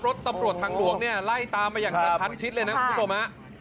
รถตำรวจทางหลวงเนี้ยไล่ตามไปอย่างพันชิดเลยนะท่านผู้ทรมาน